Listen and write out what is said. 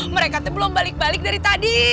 mereka tuh belum balik balik dari tadi